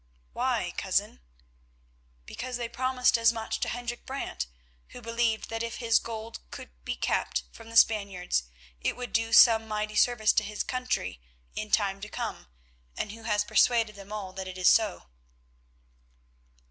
"Why, cousin?" "Because they promised as much to Hendrik Brant, who believed that if his gold could be kept from the Spaniards it would do some mighty service to his country in time to come, and who has persuaded them all that is so."